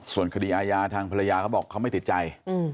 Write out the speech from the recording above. ส่วนคดีอาญาทางภรรยาเขาบอกเขาไม่ติดใจ